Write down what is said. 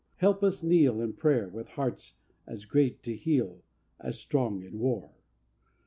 help us kneel In prayer with hearts as great to heal, As strong in war!